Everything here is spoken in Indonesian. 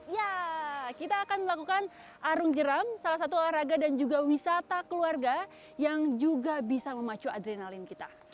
ya kita akan melakukan arung jeram salah satu olahraga dan juga wisata keluarga yang juga bisa memacu adrenalin kita